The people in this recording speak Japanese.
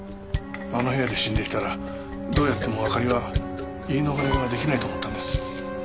あの部屋で死んでいたらどうやってもあかりは言い逃れができないと思ったんです。